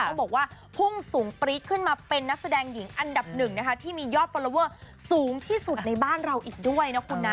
เขาบอกว่าพุ่งสูงปรี๊ดขึ้นมาเป็นนักแสดงหญิงอันดับหนึ่งนะคะที่มียอดฟอลลอเวอร์สูงที่สุดในบ้านเราอีกด้วยนะคุณนะ